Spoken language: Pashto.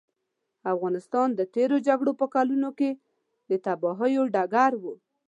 افغانستان د تېرو جګړو په کلونو کې د تباهیو ډګر و.